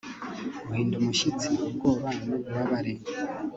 Guhinda umushyitsi ubwoba nububabare